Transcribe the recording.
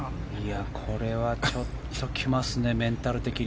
これはちょっと来ますねメンタル的に。